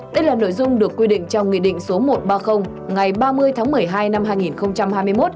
đây là nội dung được quy định trong nghị định số một trăm ba mươi ngày ba mươi tháng một mươi hai năm hai nghìn hai mươi một